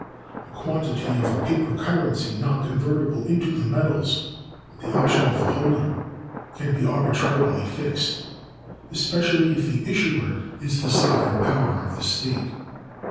The quantity of a paper currency not convertible into the metals at the option of the holder can be arbitrarily fixed, especially if the issuer is the sovereign power of the state.